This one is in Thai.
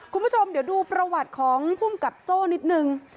คุณผู้ชมเดี๋ยวดูประวัติของภูมิกับโจ้นิดนึง